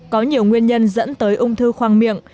có nhiều nguyên nhân dẫn tới ung thư khoang miệng